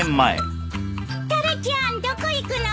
タラちゃんどこ行くの？